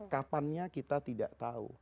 kapannya kita tidak tahu